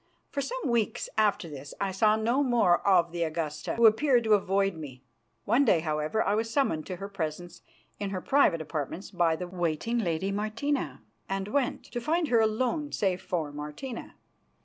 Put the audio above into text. For some weeks after this I saw no more of the Augusta, who appeared to avoid me. One day, however, I was summoned to her presence in her private apartments by the waiting lady Martina, and went, to find her alone, save for Martina.